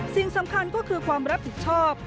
สิ่งสำคัญก็คือความรับผิดชอบ